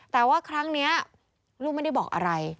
แต่ว่าครั้งนี้ลูกไม่ได้บอกอะไร